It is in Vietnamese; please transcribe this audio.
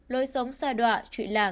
lôi sống xa đoạ trụy lạc